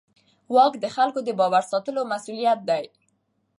واک د خلکو د باور ساتلو مسوولیت لري.